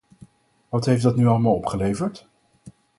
Wat heeft dat nu allemaal opgeleverd?